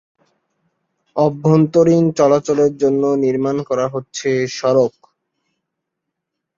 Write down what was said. অভ্যন্তরীণ চলাচলের জন্য নির্মাণ করা হচ্ছে সড়ক।